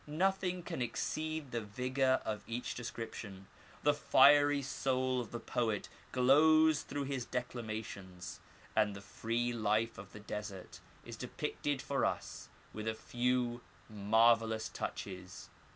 Nothing can exceed the vigour of each description : the fiery soul of the poet glows through his declamations, and the free life of the desert is depicted for us with a few marvellous The Arabic Language. 21 touches.